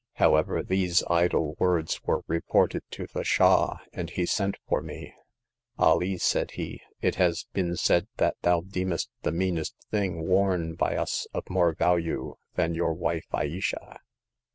However, these idle words w^ere reported to the Shah, and he sent for me. Alee,'' said he, it has been said that thou deemest the meanest thing worn by us of more value than your wife Ayesha.